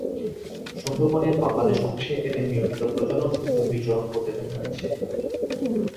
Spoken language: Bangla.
সুন্দরবনের বাংলাদেশ অংশে এদের নিয়মিত প্রজনন ও বিচরণ করতে দেখা গেছে।